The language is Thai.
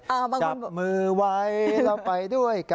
จับมือไวเราไปด้วยกัน